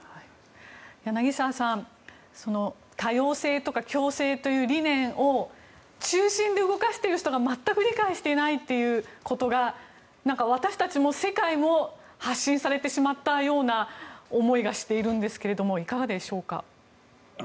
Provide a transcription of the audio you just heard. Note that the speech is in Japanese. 柳澤さん多様性とか共生という理念を中心で動かしている人が全く理解していないということが私たちも世界も発信されてしまったような思いがしているんですがいかがでしょうか？